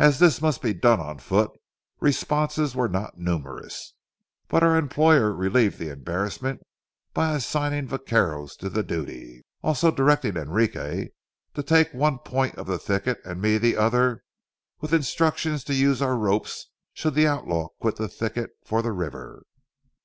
As this must be done on foot, responses were not numerous. But our employer relieved the embarrassment by assigning vaqueros to the duty, also directing Enrique to take one point of the thicket and me the other, with instructions to use our ropes should the outlaw quit the thicket for the river.